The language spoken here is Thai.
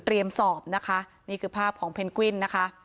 สอบนะคะนี่คือภาพของเพนกวินนะคะ